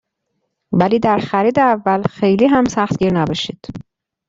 ولی در خرید اول خیلی هم سختگیر نباشید.